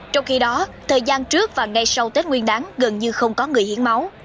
trong khi đó thời gian trước và ngay sau tết nguyên đáng gần như không có người hiến máu